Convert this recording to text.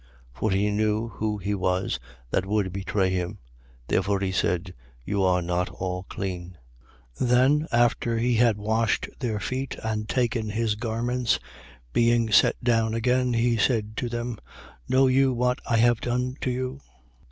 13:11. For he knew who he was that would betray him; therefore he said: You are not all clean. 13:12. Then after he had washed their feet and taken his garments, being set down again, he said to them: Know you what I have done to you?